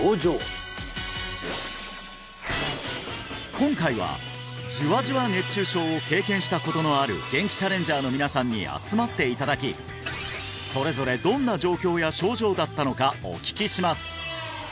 今回はじわじわ熱中症を経験したことのあるゲンキチャレンジャーの皆さんに集まっていただきそれぞれどんな状況や症状だったのかお聞きします！